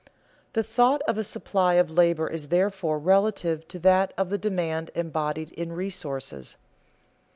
The thought of a supply of labor is therefore relative to that of the demand embodied in resources.